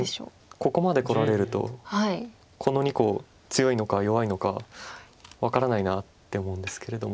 ここまでこられるとこの２個強いのか弱いのか分からないなって思うんですけれども。